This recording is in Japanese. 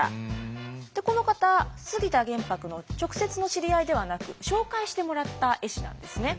この方杉田玄白の直接の知り合いではなく紹介してもらった絵師なんですね。